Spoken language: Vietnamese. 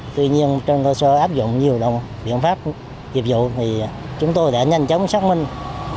tuy nhiên trong cơ sơ áp dụng nhiều biện pháp hiệp dụng thì chúng tôi đã nhanh chóng xác minh